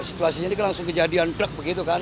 situasinya ini kan langsung kejadian plek begitu kan